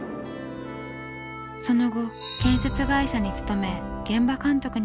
その後建設会社に勤め現場監督にまで出世。